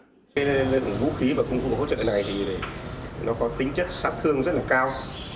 mua một hộp đạn chế lên một vũ khí và cũng có hỗ trợ này nó có tính chất sát thương rất là cao